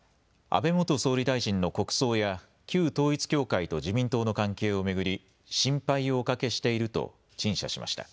安倍元総理大臣の国葬や旧統一教会と自民党の関係を巡り、岸田総理大臣は公明党の山口代表に心配をおかけしていると陳謝しました。